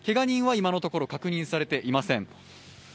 けが人は今のところ、確認されていません。